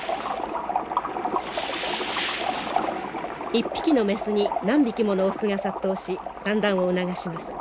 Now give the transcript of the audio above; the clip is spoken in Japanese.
一匹のメスに何匹ものオスが殺到し産卵を促します。